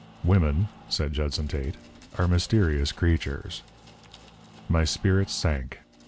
"Women," said Judson Tate, "are mysterious creatures." My spirits sank.